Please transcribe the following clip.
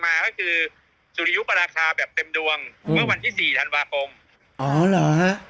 มาก็คือสุริยุปราคาแบบเต็มดวงเมื่อวันที่สี่ธันวาคมอ๋อเหรอ